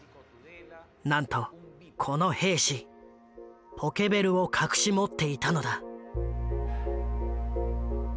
なんとこの兵士ポケベルを隠し持っていたのだ。